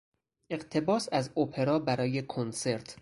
اقتباس از اپرا برای کنسرت